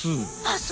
あっ！